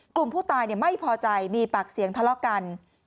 กลุ่มผู้ตายไม่พอใจมีปากเสียงทะเลาะกัน